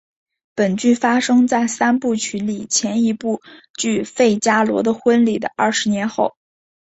本剧发生在三部曲里前一部剧费加罗的婚礼的二十年后。